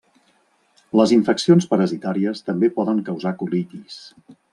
Les infeccions parasitàries també poden causar colitis.